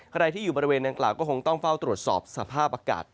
ใครที่อยู่บริเวณนางกล่าวก็คงต้องเฝ้าตรวจสอบสภาพอากาศ